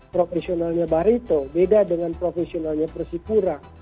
profesionalnya barito beda dengan profesionalnya persipura